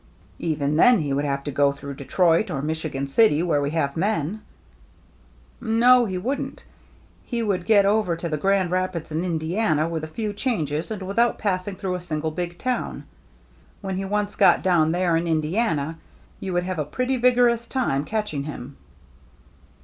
" Even then he would have to go through Detroit or Michigan City, where we have men." " No, he wouldn't. He could get over to the Grand Rapids and Indiana with a few changes and without passing through a single big town. When he once got down there in Indiana, you would have a pretty vigorous time catching him."